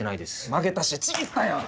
曲げたしちぎったやん！